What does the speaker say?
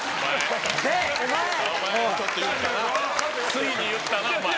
ついに言ったなお前。